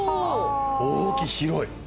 大きい広い。